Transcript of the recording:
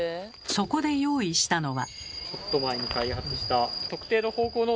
そこで用意したのは。